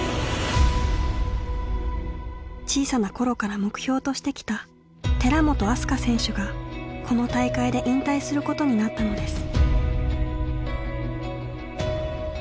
小さな頃から目標としてきた寺本明日香選手がこの大会で引退することになったのです。